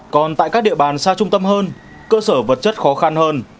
còn tại các địa bàn xa trung tâm hơn cơ sở vật chất khó khăn hơn